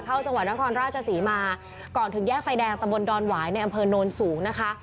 จังหวัดนครราชศรีมาก่อนถึงแยกไฟแดงตะบนดอนหวายในอำเภอโนนสูงนะคะ